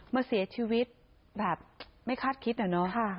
มาเสียชีวิตแบบไม่คาดคิดอะเนาะ